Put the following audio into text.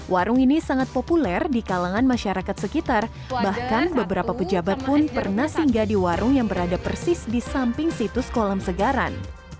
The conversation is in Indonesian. warung ini sangat populer di kalangan masyarakat sekitar bahkan beberapa pejabat pun pernah singgah di warung yang berada persis di samping situs kolam segaran